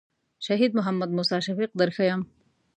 شهید محمد موسی شفیق در ښیم.